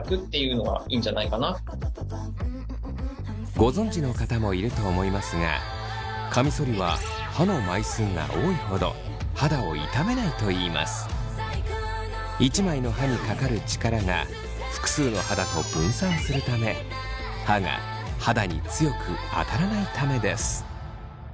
ご存じの方もいると思いますがカミソリは１枚の刃にかかる力が複数の刃だと分散するため刃が肌に強く当たらないためです。